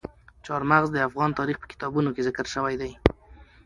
چار مغز د افغان تاریخ په کتابونو کې ذکر شوی دي.